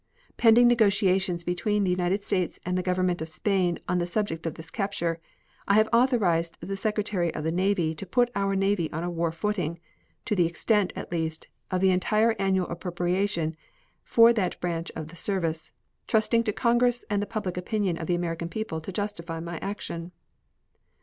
Pending negotiations between the United States and the Government of Spain on the subject of this capture, I have authorized the Secretary of the Navy to put our Navy on a war footing, to the extent, at least, of the entire annual appropriation for that branch of the service, trusting to Congress and the public opinion of the American people to justify my action.